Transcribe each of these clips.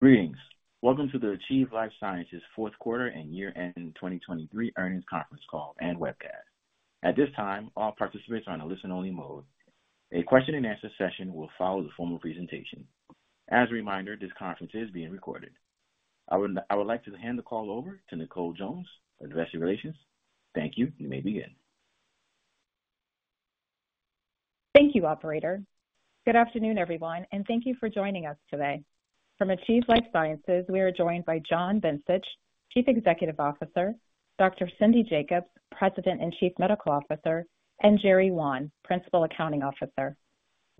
Greetings. Welcome to the Achieve Life Sciences fourth quarter and year-end 2023 earnings conference call and webcast. At this time, all participants are in a listen-only mode. A question-and-answer session will follow the formal presentation. As a reminder, this conference is being recorded. I would like to hand the call over to Nicole Jones, Investor Relations. Thank you. You may begin. Thank you, operator. Good afternoon, everyone, and thank you for joining us today. From Achieve Life Sciences, we are joined by John Bencich, Chief Executive Officer; Dr. Cindy Jacobs, President and Chief Medical Officer; and Jerry Wan, Principal Accounting Officer.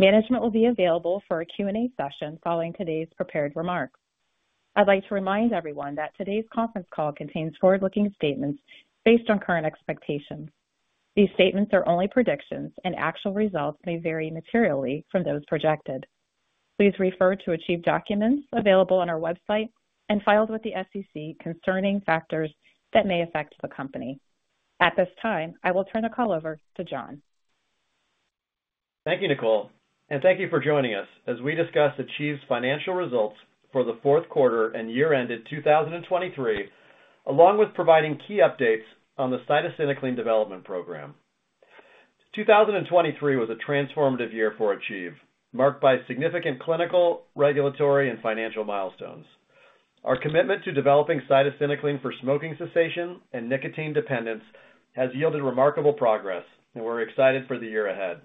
Management will be available for a Q&A session following today's prepared remarks. I'd like to remind everyone that today's conference call contains forward-looking statements based on current expectations. These statements are only predictions, and actual results may vary materially from those projected. Please refer to Achieve documents available on our website and filed with the SEC concerning factors that may affect the company. At this time, I will turn the call over to John. Thank you, Nicole. Thank you for joining us as we discuss Achieve's financial results for the fourth quarter and year-ended 2023, along with providing key updates on the cytisinicline development program. 2023 was a transformative year for Achieve, marked by significant clinical, regulatory, and financial milestones. Our commitment to developing cytisinicline for smoking cessation and nicotine dependence has yielded remarkable progress, and we're excited for the year ahead.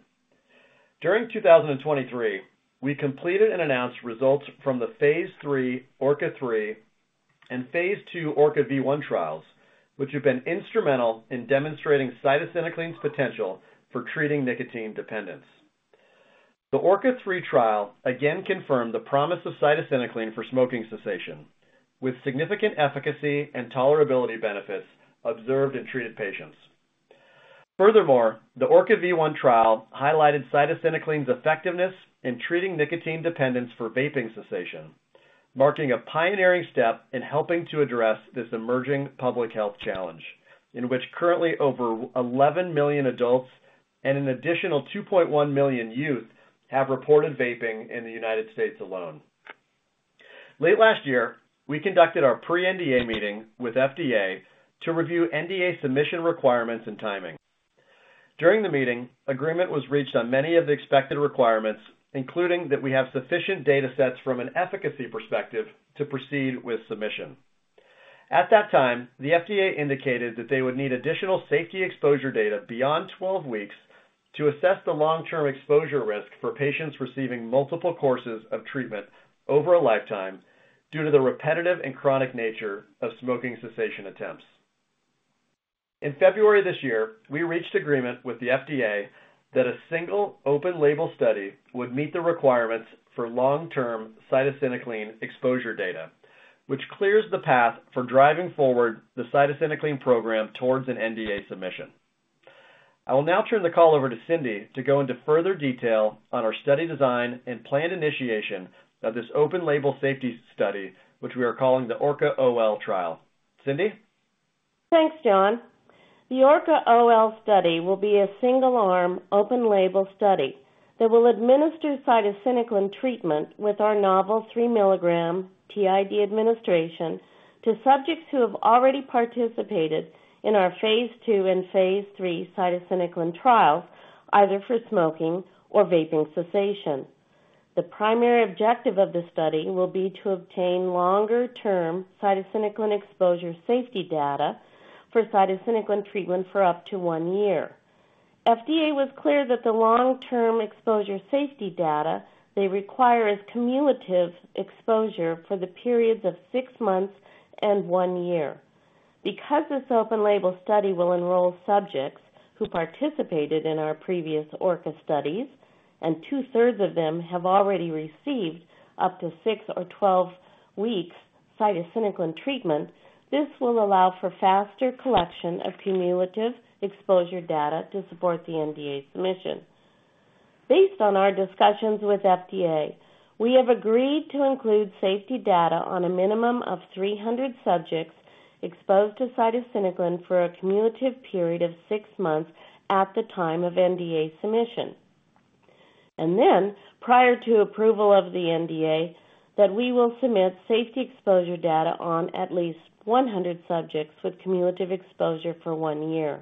During 2023, we completed and announced results from the phase III Orca III and phase II Orca V1 trials, which have been instrumental in demonstrating cytisinicline's potential for treating nicotine dependence. The Orca III trial again confirmed the promise of cytisinicline for smoking cessation, with significant efficacy and tolerability benefits observed in treated patients. Furthermore, the Orca V1 trial highlighted cytisinicline's effectiveness in treating nicotine dependence for vaping cessation, marking a pioneering step in helping to address this emerging public health challenge in which currently over 11 million adults and an additional 2.1 million youth have reported vaping in the United States alone. Late last year, we conducted our pre-NDA meeting with FDA to review NDA submission requirements and timing. During the meeting, agreement was reached on many of the expected requirements, including that we have sufficient data sets from an efficacy perspective to proceed with submission. At that time, the FDA indicated that they would need additional safety exposure data beyond 12 weeks to assess the long-term exposure risk for patients receiving multiple courses of treatment over a lifetime due to the repetitive and chronic nature of smoking cessation attempts. In February this year, we reached agreement with the FDA that a single open-label study would meet the requirements for long-term cytisinicline exposure data, which clears the path for driving forward the cytisinicline program towards an NDA submission. I will now turn the call over to Cindy to go into further detail on our study design and planned initiation of this open-label safety study, which we are calling the Orca OL trial. Cindy? Thanks, John. The Orca OL study will be a single-arm, open-label study that will administer cytisinicline treatment with our novel 3 mg t.i.d. administration to subjects who have already participated in our Phase II and Phase III cytisinicline trials, either for smoking or vaping cessation. The primary objective of the study will be to obtain longer-term cytisinicline exposure safety data for cytisinicline treatment for up to one year. FDA was clear that the long-term exposure safety data they require is cumulative exposure for the periods of 6 months and one year. Because this open-label study will enroll subjects who participated in our previous Orca studies, and two-thirds of them have already received up to 6 or 12 weeks' cytisinicline treatment, this will allow for faster collection of cumulative exposure data to support the NDA submission. Based on our discussions with FDA, we have agreed to include safety data on a minimum of 300 subjects exposed to cytisinicline for a cumulative period of six months at the time of NDA submission. And then, prior to approval of the NDA, that we will submit safety exposure data on at least 100 subjects with cumulative exposure for one year.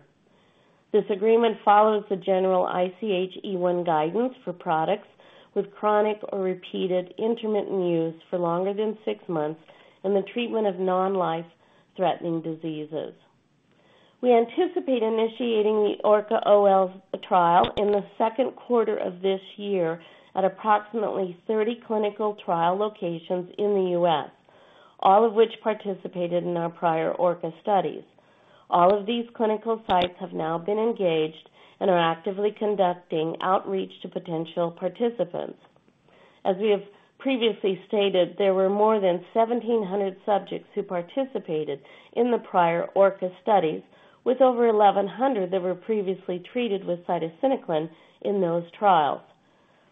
This agreement follows the general ICH-E1 guidance for products with chronic or repeated intermittent use for longer than six months in the treatment of non-life-threatening diseases. We anticipate initiating the Orca OL trial in the second quarter of this year at approximately 30 clinical trial locations in the U.S., all of which participated in our prior Orca studies. All of these clinical sites have now been engaged and are actively conducting outreach to potential participants. As we have previously stated, there were more than 1,700 subjects who participated in the prior Orca studies, with over 1,100 that were previously treated with cytisinicline in those trials.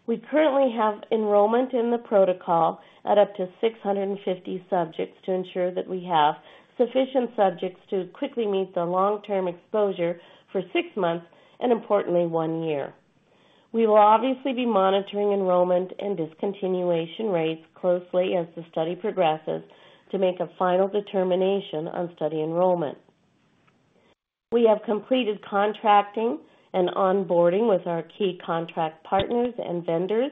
We currently have enrollment in the protocol at up to 650 subjects to ensure that we have sufficient subjects to quickly meet the long-term exposure for 6 months and, importantly, 1 year. We will obviously be monitoring enrollment and discontinuation rates closely as the study progresses to make a final determination on study enrollment. We have completed contracting and onboarding with our key contract partners and vendors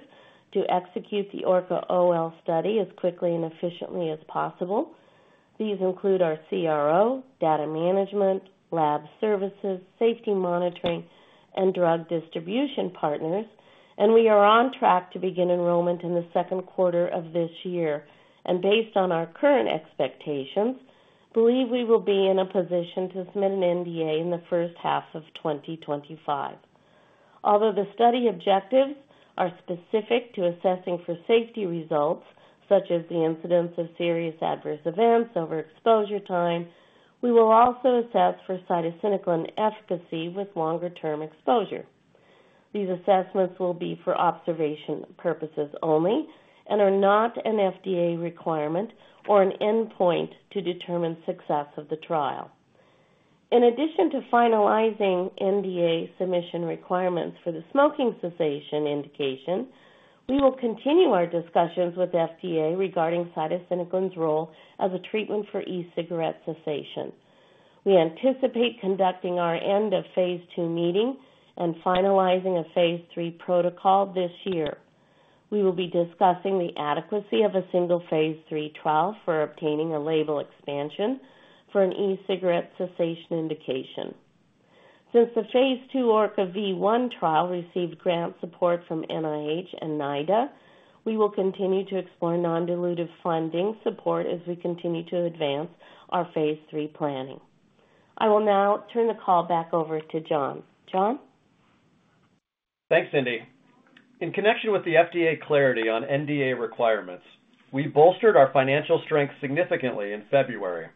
to execute the Orca OL study as quickly and efficiently as possible. These include our CRO, data management, lab services, safety monitoring, and drug distribution partners, and we are on track to begin enrollment in the second quarter of this year. Based on our current expectations, believe we will be in a position to submit an NDA in the first half of 2025. Although the study objectives are specific to assessing for safety results, such as the incidence of serious adverse events, overexposure time, we will also assess for cytisinicline efficacy with longer-term exposure. These assessments will be for observation purposes only and are not an FDA requirement or an endpoint to determine success of the trial. In addition to finalizing NDA submission requirements for the smoking cessation indication, we will continue our discussions with FDA regarding cytisinicline's role as a treatment for e-cigarette cessation. We anticipate conducting our end-of-Phase II meeting and finalizing a Phase III protocol this year. We will be discussing the adequacy of a single Phase III trial for obtaining a label expansion for an e-cigarette cessation indication. Since the phase II Orca V1 trial received grant support from NIH and NIDA, we will continue to explore non-dilutive funding support as we continue to advance our phase III planning. I will now turn the call back over to John. John? Thanks, Cindy. In connection with the FDA clarity on NDA requirements, we bolstered our financial strength significantly in February,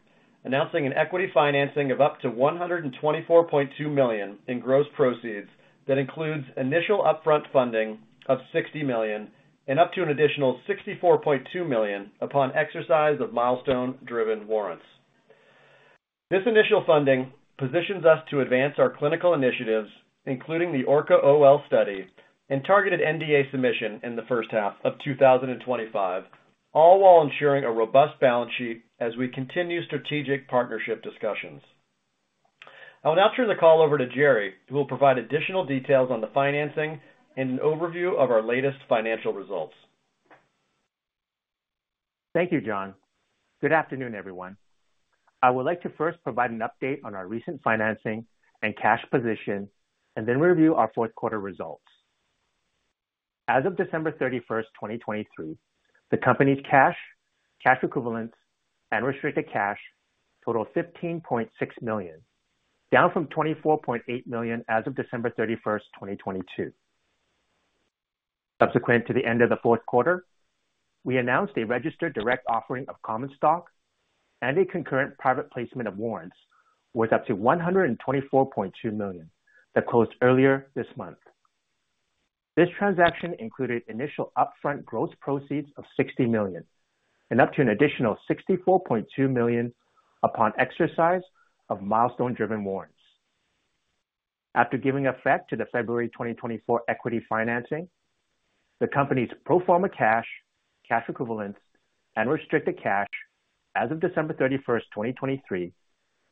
announcing an equity financing of up to $124.2 million in gross proceeds that includes initial upfront funding of $60 million and up to an additional $64.2 million upon exercise of milestone-driven warrants. This initial funding positions us to advance our clinical initiatives, including the Orca OL study and targeted NDA submission in the first half of 2025, all while ensuring a robust balance sheet as we continue strategic partnership discussions. I will now turn the call over to Jerry, who will provide additional details on the financing and an overview of our latest financial results. Thank you, John. Good afternoon, everyone. I would like to first provide an update on our recent financing and cash position, and then review our fourth quarter results. As of December 31, 2023, the company's cash, cash equivalents, and restricted cash totaled $15.6 million, down from $24.8 million as of December 31, 2022. Subsequent to the end of the fourth quarter, we announced a registered direct offering of common stock and a concurrent private placement of warrants worth up to $124.2 million that closed earlier this month. This transaction included initial upfront gross proceeds of $60 million and up to an additional $64.2 million upon exercise of milestone-driven warrants. After giving effect to the February 2024 equity financing, the company's pro forma cash, cash equivalents, and restricted cash as of December 31, 2023,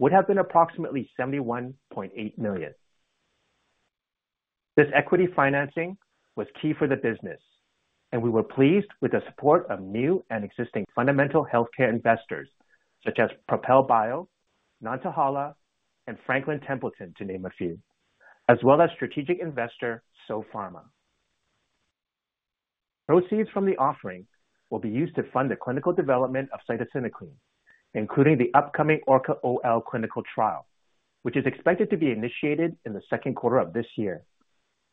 would have been approximately $71.8 million. This equity financing was key for the business, and we were pleased with the support of new and existing fundamental healthcare investors such as Propel Bio, Nantahala, and Franklin Templeton, to name a few, as well as strategic investor Sopharma. Proceeds from the offering will be used to fund the clinical development of cytisinicline, including the upcoming Orca OL clinical trial, which is expected to be initiated in the second quarter of this year,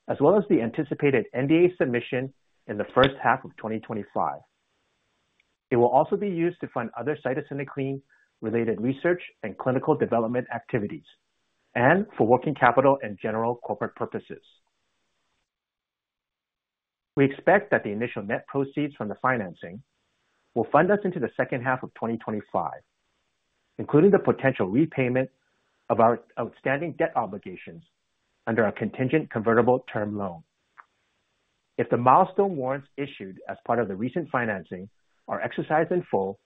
as well as the anticipated NDA submission in the first half of 2025. It will also be used to fund other cytisinicline-related research and clinical development activities and for working capital and general corporate purposes. We expect that the initial net proceeds from the financing will fund us into the second half of 2025, including the potential repayment of our outstanding debt obligations under our contingent convertible term loan. If the milestone warrants issued as part of the recent financing are exercised in full,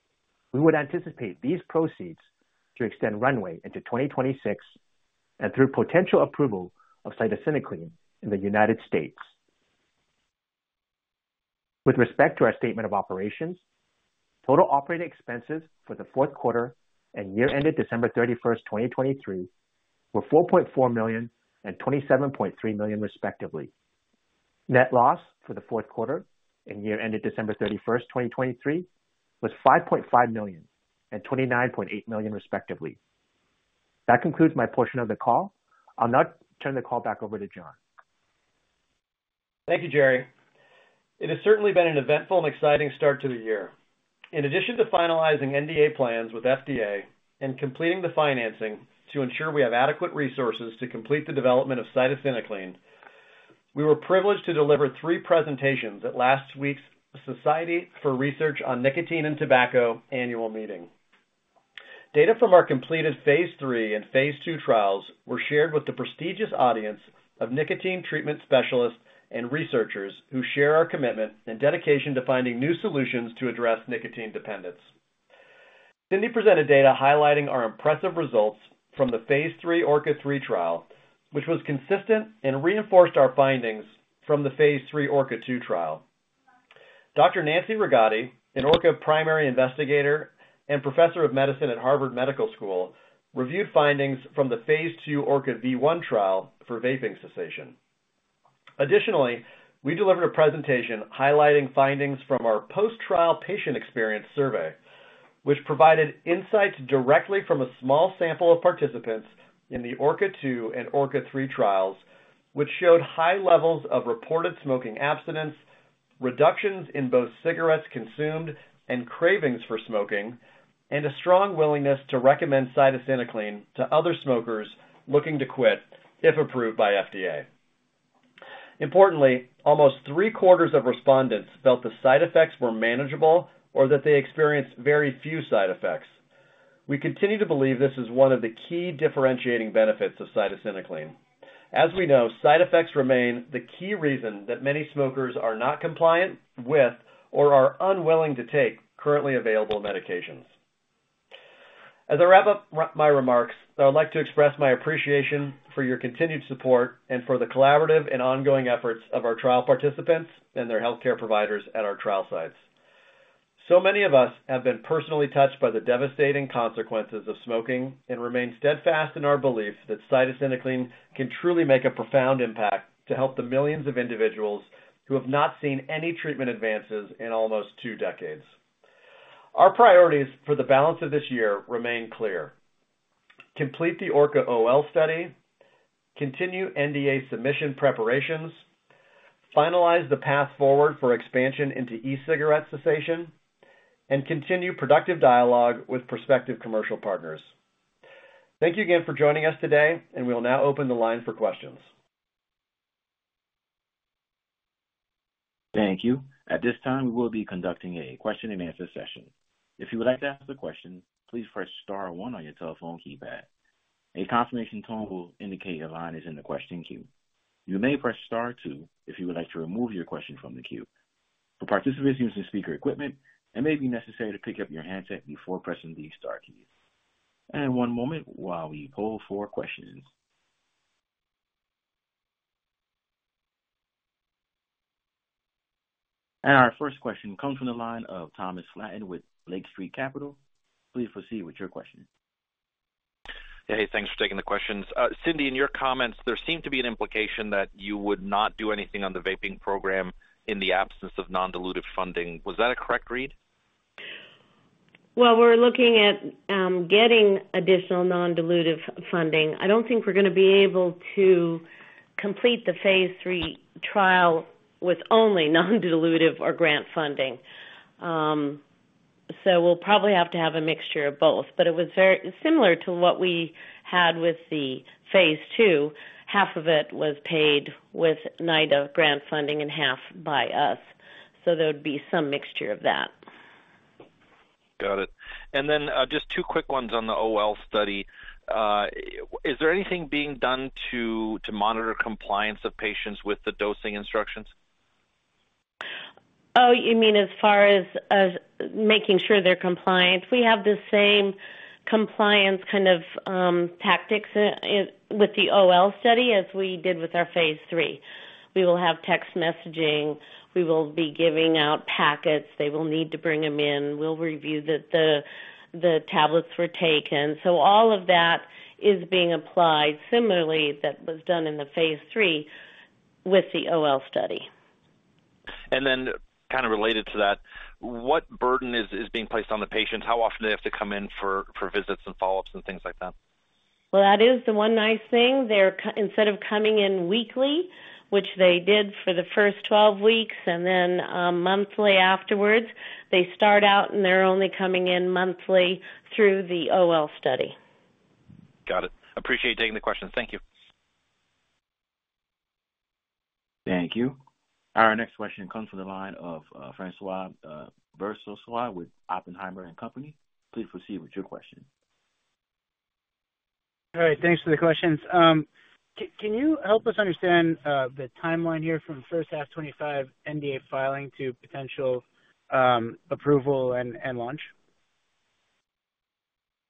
we would anticipate these proceeds to extend runway into 2026 and through potential approval of cytisinicline in the United States. With respect to our statement of operations, total operating expenses for the fourth quarter and year-ended December 31, 2023, were $4.4 million and $27.3 million, respectively. Net loss for the fourth quarter and year-ended December 31, 2023, was $5.5 million and $29.8 million, respectively. That concludes my portion of the call. I'll now turn the call back over to John. Thank you, Jerry. It has certainly been an eventful and exciting start to the year. In addition to finalizing NDA plans with FDA and completing the financing to ensure we have adequate resources to complete the development of cytisinicline, we were privileged to deliver three presentations at last week's Society for Research on Nicotine and Tobacco annual meeting. Data from our completed phase III and phase II trials were shared with the prestigious audience of nicotine treatment specialists and researchers who share our commitment and dedication to finding new solutions to address nicotine dependence. Cindy presented data highlighting our impressive results from the phase III Orca III trial, which was consistent and reinforced our findings from the phase III Orca II trial. Dr. Nancy Rigotti, an Orca primary investigator and professor of medicine at Harvard Medical School, reviewed findings from the phase II Orca V1 trial for vaping cessation. Additionally, we delivered a presentation highlighting findings from our post-trial patient experience survey, which provided insights directly from a small sample of participants in the Orca II and Orca III trials, which showed high levels of reported smoking abstinence, reductions in both cigarettes consumed and cravings for smoking, and a strong willingness to recommend cytisinicline to other smokers looking to quit if approved by FDA. Importantly, almost three-quarters of respondents felt the side effects were manageable or that they experienced very few side effects. We continue to believe this is one of the key differentiating benefits of cytisinicline. As we know, side effects remain the key reason that many smokers are not compliant with or are unwilling to take currently available medications. As I wrap up my remarks, I would like to express my appreciation for your continued support and for the collaborative and ongoing efforts of our trial participants and their healthcare providers at our trial sites. So many of us have been personally touched by the devastating consequences of smoking and remain steadfast in our belief that cytisinicline can truly make a profound impact to help the millions of individuals who have not seen any treatment advances in almost two decades. Our priorities for the balance of this year remain clear: complete the Orca OL study, continue NDA submission preparations, finalize the path forward for expansion into e-cigarette cessation, and continue productive dialogue with prospective commercial partners. Thank you again for joining us today, and we will now open the line for questions. Thank you. At this time, we will be conducting a question-and-answer session. If you would like to ask a question, please press *1 on your telephone keypad. A confirmation tone will indicate your line is in the question queue. You may press *2 if you would like to remove your question from the queue. For participants using speaker equipment, it may be necessary to pick up your handset before pressing the * keys. And one moment while we pull four questions. And our first question comes from the line of Thomas Flaten with Lake Street Capital. Please proceed with your question. Hey, thanks for taking the questions. Cindy, in your comments, there seemed to be an implication that you would not do anything on the vaping program in the absence of non-dilutive funding. Was that a correct read? Well, we're looking at getting additional non-dilutive funding. I don't think we're going to be able to complete the phase III trial with only non-dilutive or grant funding. So we'll probably have to have a mixture of both. But it was similar to what we had with the phase II. Half of it was paid with NIDA grant funding and half by us. So there would be some mixture of that. Got it. And then just two quick ones on the OL study. Is there anything being done to monitor compliance of patients with the dosing instructions? Oh, you mean as far as making sure they're compliant? We have the same compliance kind of tactics with the OL study as we did with our phase III. We will have text messaging. We will be giving out packets. They will need to bring them in. We'll review that the tablets were taken. So all of that is being applied similarly that was done in the phase III with the OL study. And then kind of related to that, what burden is being placed on the patients? How often do they have to come in for visits and follow-ups and things like that? Well, that is the one nice thing. Instead of coming in weekly, which they did for the first 12 weeks and then monthly afterwards, they start out and they're only coming in monthly through the OL study. Got it. Appreciate taking the questions. Thank you. Thank you. Our next question comes from the line of François Brisebois with Oppenheimer and Company. Please proceed with your question. All right. Thanks for the questions. Can you help us understand the timeline here from first half 2025 NDA filing to potential approval and launch?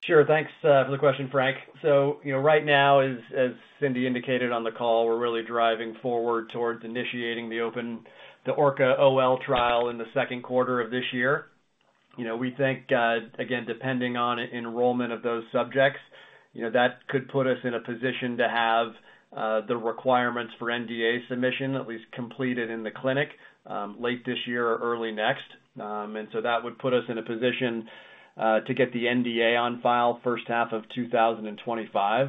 Sure. Thanks for the question, Frank. So right now, as Cindy indicated on the call, we're really driving forward towards initiating the Orca OL trial in the second quarter of this year. We think, again, depending on enrollment of those subjects, that could put us in a position to have the requirements for NDA submission at least completed in the clinic late this year or early next. So that would put us in a position to get the NDA on file first half of 2025.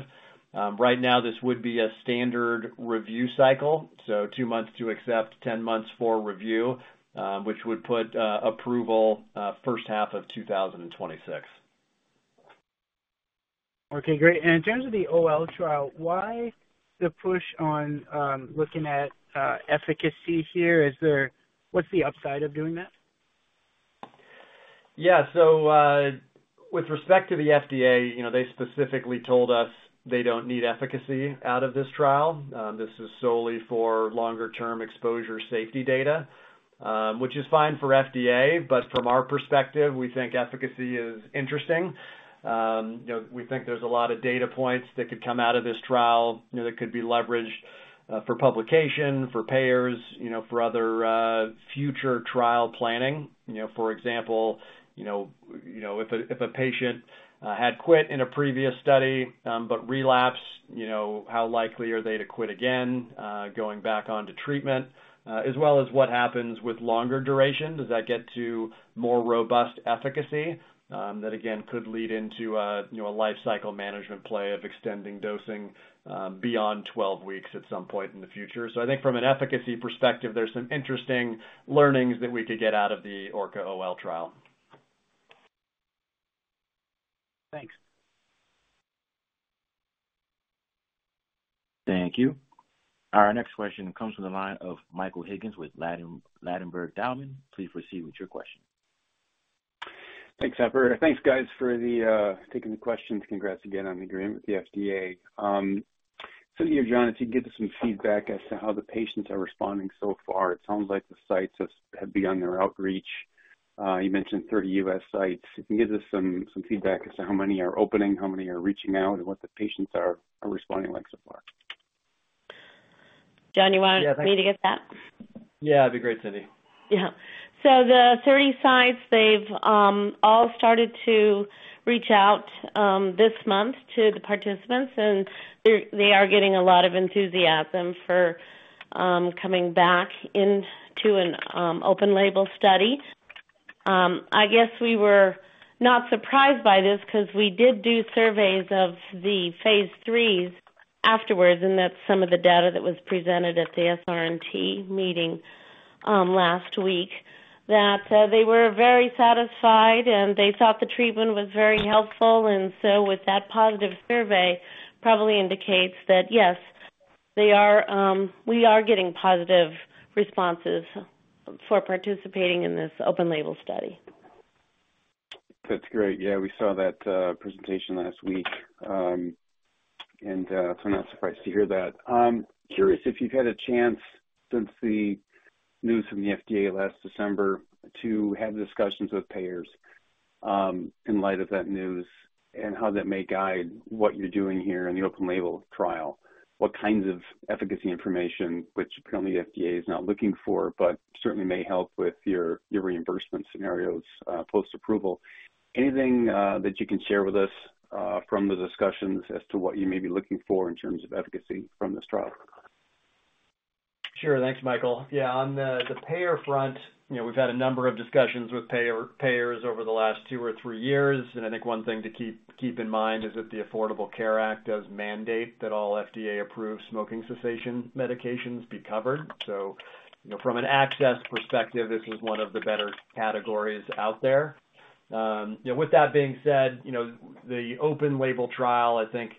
Right now, this would be a standard review cycle, so 2 months to accept, 10 months for review, which would put approval first half of 2026. Okay. Great. And in terms of the OL trial, why the push on looking at efficacy here? What's the upside of doing that? Yeah. So with respect to the FDA, they specifically told us they don't need efficacy out of this trial. This is solely for longer-term exposure safety data, which is fine for FDA. But from our perspective, we think efficacy is interesting. We think there's a lot of data points that could come out of this trial that could be leveraged for publication, for payers, for other future trial planning. For example, if a patient had quit in a previous study but relapse, how likely are they to quit again going back onto treatment, as well as what happens with longer duration? Does that get to more robust efficacy that, again, could lead into a lifecycle management play of extending dosing beyond 12 weeks at some point in the future? So I think from an efficacy perspective, there's some interesting learnings that we could get out of the Orca OL trial. Thanks. Thank you. Our next question comes from the line of Michael Higgins with Ladenburg Thalmann. Please proceed with your question. Thanks, Operator. Thanks, guys, for taking the questions. Congrats again on the agreement with the FDA. Cindy or John, if you can give us some feedback as to how the patients are responding so far? It sounds like the sites have begun their outreach. You mentioned 30 US sites. If you can give us some feedback as to how many are opening, how many are reaching out, and what the patients are responding like so far? John, you want me to get that? Yeah. It'd be great, Cindy. Yeah. So the 30 sites, they've all started to reach out this month to the participants, and they are getting a lot of enthusiasm for coming back into an open-label study. I guess we were not surprised by this because we did do surveys of the phase IIIs afterwards, and that's some of the data that was presented at the SRNT meeting last week, that they were very satisfied and they thought the treatment was very helpful. And so with that positive survey, probably indicates that, yes, we are getting positive responses for participating in this open-label study. That's great. Yeah, we saw that presentation last week, and so we're not surprised to hear that. Curious if you've had a chance since the news from the FDA last December to have discussions with payers in light of that news and how that may guide what you're doing here in the open-label trial, what kinds of efficacy information, which apparently the FDA is not looking for but certainly may help with your reimbursement scenarios post-approval? Anything that you can share with us from the discussions as to what you may be looking for in terms of efficacy from this trial? Sure. Thanks, Michael. Yeah, on the payer front, we've had a number of discussions with payers over the last two or three years. And I think one thing to keep in mind is that the Affordable Care Act does mandate that all FDA-approved smoking cessation medications be covered. So from an access perspective, this is one of the better categories out there. With that being said, the open-label trial, I think,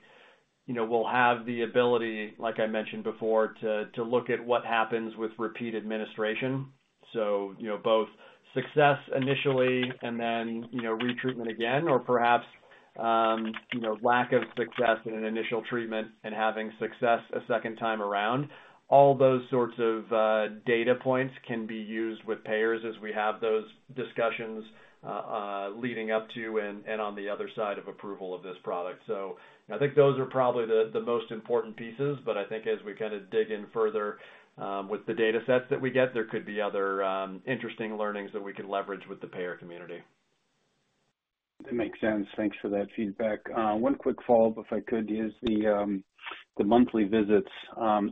will have the ability, like I mentioned before, to look at what happens with repeat administration. So both success initially and then retreatment again or perhaps lack of success in an initial treatment and having success a second time around, all those sorts of data points can be used with payers as we have those discussions leading up to and on the other side of approval of this product. So I think those are probably the most important pieces. But I think as we kind of dig in further with the data sets that we get, there could be other interesting learnings that we can leverage with the payer community. That makes sense. Thanks for that feedback. One quick follow-up, if I could, is the monthly visits.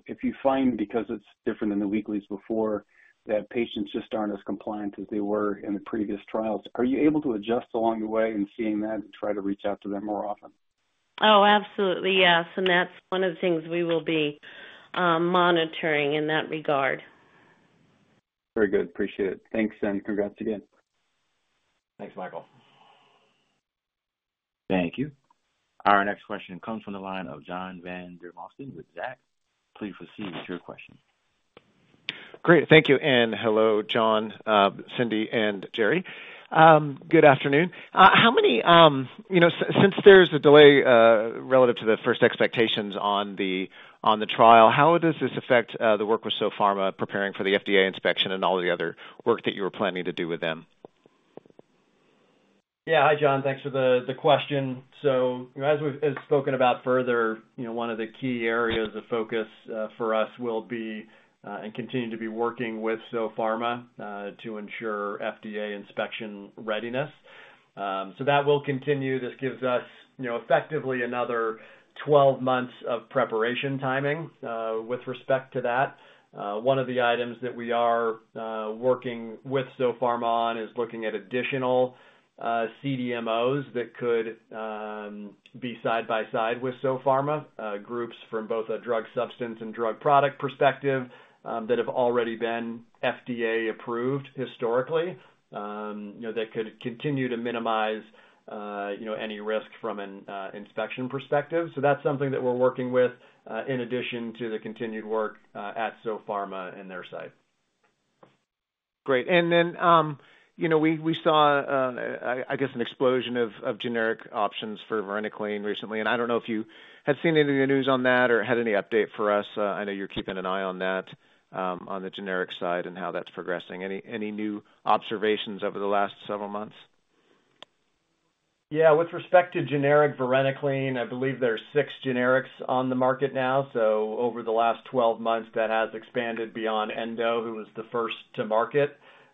If you find, because it's different than the weeklies before, that patients just aren't as compliant as they were in the previous trials, are you able to adjust along the way in seeing that and try to reach out to them more often? Oh, absolutely. Yes. And that's one of the things we will be monitoring in that regard. Very good. Appreciate it. Thanks, and congrats again. Thanks, Michael. Thank you. Our next question comes from the line of John Vandermosten with Zacks. Please proceed with your question. Great. Thank you. And hello, John, Cindy, and Jerry. Good afternoon. However, since there's a delay relative to the first expectations on the trial, how does this affect the work with Sopharma preparing for the FDA inspection and all the other work that you were planning to do with them? Yeah. Hi, John. Thanks for the question. So as we've spoken about further, one of the key areas of focus for us will be and continue to be working with Sopharma to ensure FDA inspection readiness. So that will continue. This gives us effectively another 12 months of preparation timing with respect to that. One of the items that we are working with Sopharma on is looking at additional CDMOs that could be side by side with Sopharma, groups from both a drug substance and drug product perspective that have already been FDA-approved historically, that could continue to minimize any risk from an inspection perspective. So that's something that we're working with in addition to the continued work at Sopharma and their site. Great. And then we saw, I guess, an explosion of generic options for varenicline recently. And I don't know if you had seen any of the news on that or had any update for us. I know you're keeping an eye on that on the generic side and how that's progressing. Any new observations over the last several months? Yeah. With respect to generic varenicline, I believe there are six generics on the market now. So over the last 12 months, that has expanded beyond Endo, who was the first to market.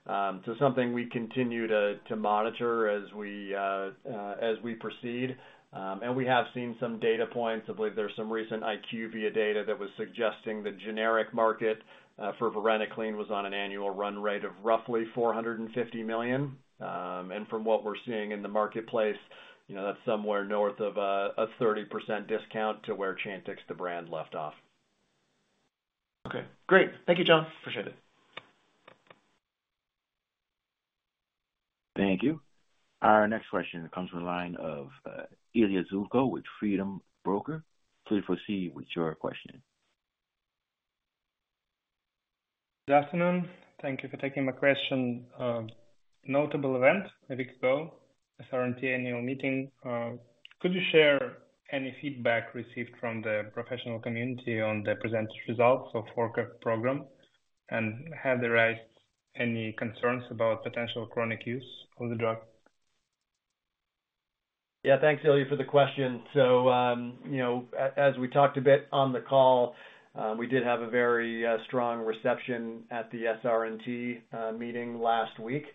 So something we continue to monitor as we proceed. And we have seen some data points. I believe there's some recent IQVIA data that was suggesting the generic market for varenicline was on an annual run rate of roughly $450 million. And from what we're seeing in the marketplace, that's somewhere north of a 30% discount to where Chantix, the brand, left off. Okay. Great. Thank you, John. Appreciate it. Thank you. Our next question comes from the line of Ilya Zubkov with Freedom Capital Markets. Please proceed with your question. Good afternoon. Thank you for taking my question. Notable event a week ago, SRNT annual meeting. Could you share any feedback received from the professional community on the present results of the Orca program and have arisen any concerns about potential chronic use of the drug? Yeah. Thanks, Ilya, for the question. So as we talked a bit on the call, we did have a very strong reception at the SRNT meeting last week.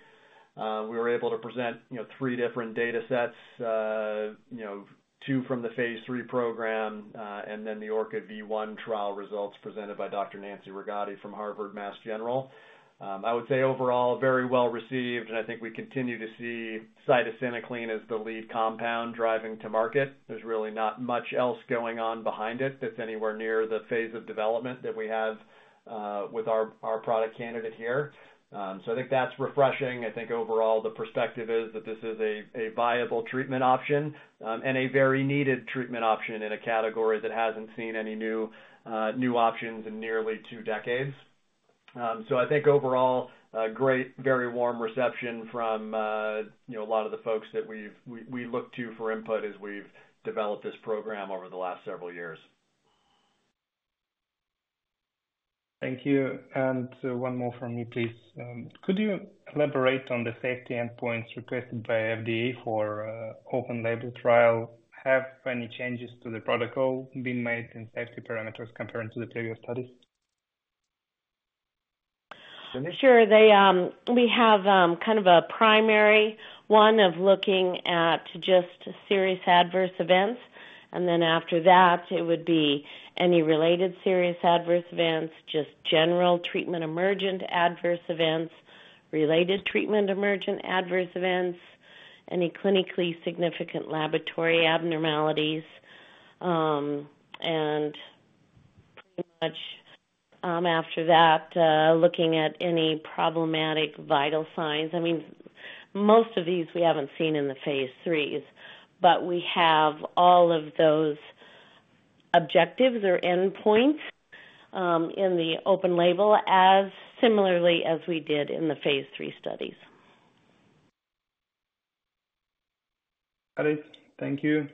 We were able to present 3 different data sets, 2 from the phase III program and then the Orca V1 trial results presented by Dr. Nancy Rigotti from Harvard Medical School. I would say overall, very well received. And I think we continue to see cytisinicline as the lead compound driving to market. There's really not much else going on behind it that's anywhere near the phase of development that we have with our product candidate here. So I think that's refreshing. I think overall, the perspective is that this is a viable treatment option and a very needed treatment option in a category that hasn't seen any new options in nearly two decades. I think overall, great, very warm reception from a lot of the folks that we look to for input as we've developed this program over the last several years. Thank you. And one more from me, please. Could you elaborate on the safety endpoints requested by FDA for open-label trial? Have any changes to the protocol been made in safety parameters compared to the previous studies? Sure. We have kind of a primary one of looking at just serious adverse events. And then after that, it would be any related serious adverse events, just general treatment emergent adverse events, related treatment emergent adverse events, any clinically significant laboratory abnormalities. And pretty much after that, looking at any problematic vital signs. I mean, most of these we haven't seen in the phase IIIs, but we have all of those objectives or endpoints in the open label similarly as we did in the phase III studies. Got it. Thank you.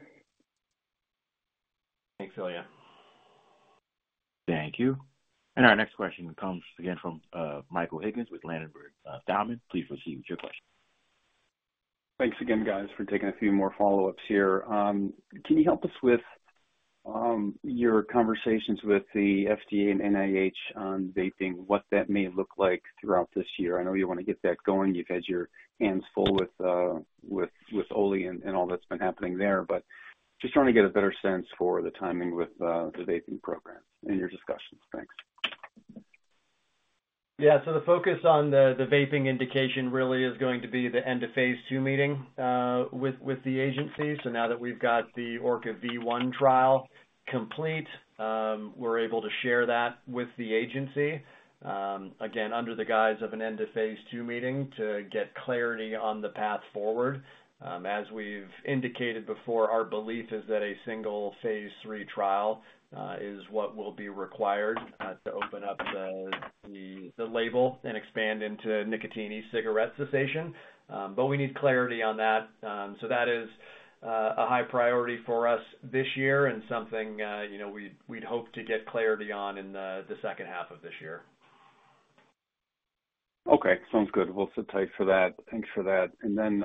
Thanks, Ilya. Thank you. And our next question comes again from Michael Higgins with Ladenburg Thalmann. Please proceed with your question. Thanks again, guys, for taking a few more follow-ups here. Can you help us with your conversations with the FDA and NIH on vaping, what that may look like throughout this year? I know you want to get that going. You've had your hands full with Orca OL and all that's been happening there. But just trying to get a better sense for the timing with the vaping program and your discussions. Thanks. Yeah. So the focus on the vaping indication really is going to be the end of phase II meeting with the agency. So now that we've got the Orca V1 trial complete, we're able to share that with the agency, again, under the guise of an end of phase II meeting to get clarity on the path forward. As we've indicated before, our belief is that a single Phase III trial is what will be required to open up the label and expand into nicotine e-cigarette cessation. But we need clarity on that. So that is a high priority for us this year and something we'd hope to get clarity on in the second half of this year. Okay. Sounds good. We'll sit tight for that. Thanks for that. And then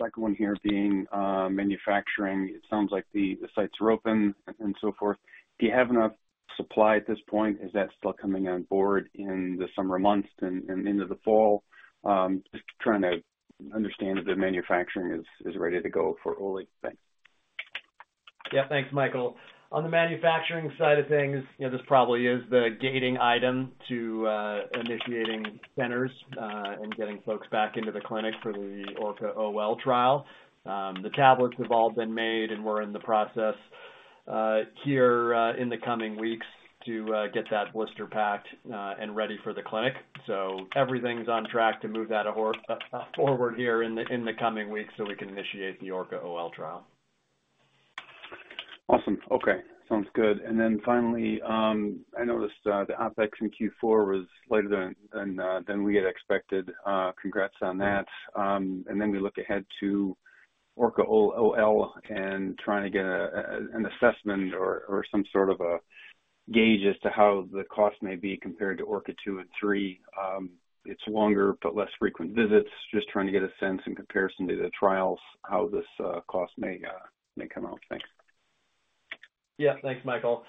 second one here being manufacturing. It sounds like the sites are open and so forth. Do you have enough supply at this point? Is that still coming on board in the summer months and into the fall? Just trying to understand if the manufacturing is ready to go for Orca OL. Thanks. Yeah. Thanks, Michael. On the manufacturing side of things, this probably is the gating item to initiating centers and getting folks back into the clinic for the Orca OL trial. The tablets have all been made, and we're in the process here in the coming weeks to get that blister packed and ready for the clinic. So everything's on track to move that forward here in the coming weeks so we can initiate the Orca OL trial. Awesome. Okay. Sounds good. Then finally, I noticed the OpEx in Q4 was later than we had expected. Congrats on that. Then we look ahead to Orca OL and trying to get an assessment or some sort of a gauge as to how the cost may be compared to Orca II and III. It's longer but less frequent visits. Just trying to get a sense in comparison to the trials, how this cost may come out. Thanks. Yeah. Thanks, Michael.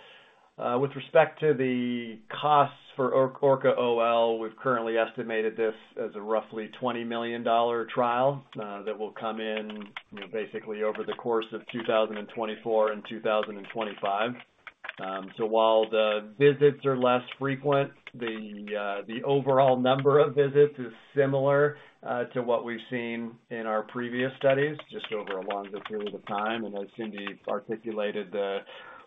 With respect to the costs for Orca OL, we've currently estimated this as a roughly $20 million trial that will come in basically over the course of 2024 and 2025. So while the visits are less frequent, the overall number of visits is similar to what we've seen in our previous studies just over a longer period of time. And as Cindy articulated,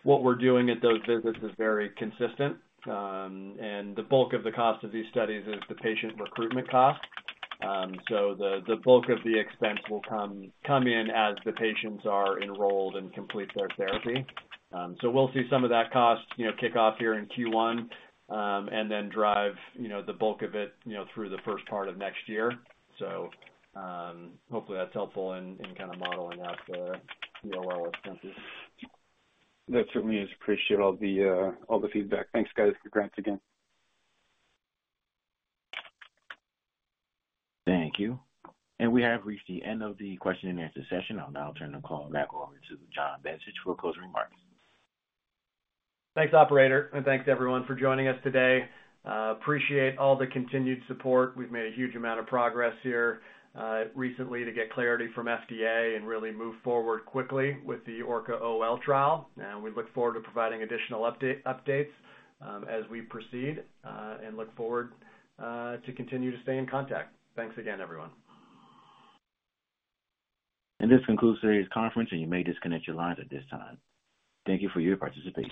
what we're doing at those visits is very consistent. And the bulk of the cost of these studies is the patient recruitment cost. So the bulk of the expense will come in as the patients are enrolled and complete their therapy. So we'll see some of that cost kick off here in Q1 and then drive the bulk of it through the first part of next year. So hopefully, that's helpful in kind of modeling out the OL expenses. That certainly is. Appreciate all the feedback. Thanks, guys. Congrats again. Thank you. We have reached the end of the question-and-answer session. I'll now turn the call back over to John Bencich for closing remarks. Thanks, operator. Thanks, everyone, for joining us today. Appreciate all the continued support. We've made a huge amount of progress here recently to get clarity from FDA and really move forward quickly with the Orca OL trial. We look forward to providing additional updates as we proceed and look forward to continue to stay in contact. Thanks again, everyone. This concludes today's conference, and you may disconnect your lines at this time. Thank you for your participation.